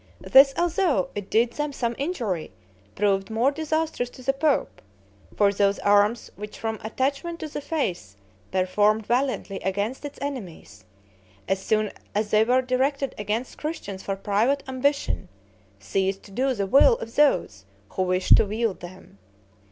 This, although it did them some injury, proved more disastrous to the pope; for those arms which from attachment to the faith performed valiantly against its enemies, as soon as they were directed against Christians for private ambition, ceased to do the will of those who wished to wield them.